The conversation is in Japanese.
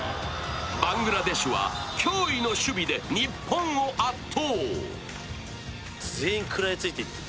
バングラデシュは驚異の守備で日本を圧倒。